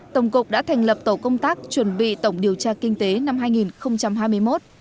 tổng cục đã thành lập tổ công tác chuẩn bị tổng điều tra kinh tế năm hai nghìn hai mươi một